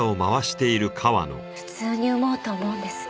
普通に産もうと思うんです。